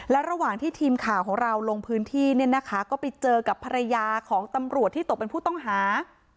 และระหว่างที่ทีมข่าวของเราลงพื้นที่เนี่ยนะคะก็ไปเจอกับภรรยาของตำรวจที่ตกเป็นผู้ต้องหา